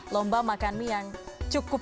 lomba makan mie yang cukup